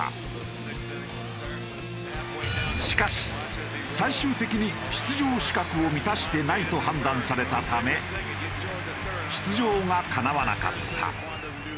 しかし最終的に出場資格を満たしてないと判断されたため出場がかなわなかった。